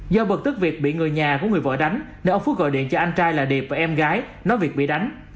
do bật tức việc bị người nhà của người vợ đánh nên ông phước gọi điện cho anh trai là điệp và em gái nói việc bị đánh